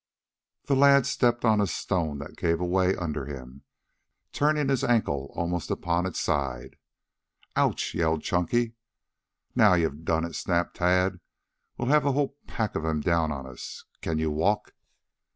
The lad stepped on a stone that gave way under him, turning his ankle almost upon its side. "Ouch!" yelled Chunky. "Now you've done it," snapped Tad. "We'll have the whole pack of them down on us. Can you walk?"